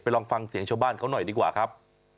ลองฟังเสียงชาวบ้านเขาหน่อยดีกว่าครับ